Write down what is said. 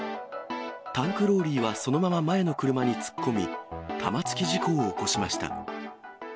タンクローリーはそのまま前の車に突っ込み、玉突き事故を起こしました。